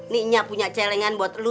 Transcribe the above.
ni nya punya celengan buat lu